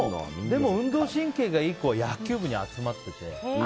でも運動神経がいい子は野球部に集まってて。